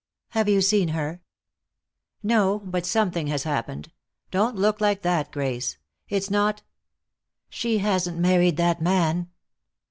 "Have you seen her?" "No. But something has happened. Don't look like that, Grace. It's not " "She hasn't married that man?"